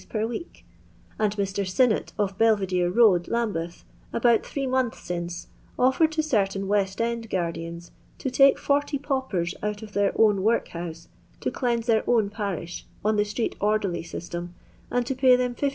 per week ;— «nd Mr. Sinnott, of Bel videre road, Lambeth, about three months sinoe, ofilered to certain West End guardians, to take 40 paupers out of their own workhouse to cleanse their own parish, on the street orderly system ;— and to pay them 15«.